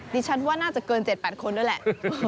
ดิฉันว่าน่าจะเกิน๗๘คนด้วยแหละ